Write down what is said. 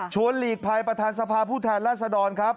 ชวนหลีกภายประธานสภาผู้แทนราชดรครับ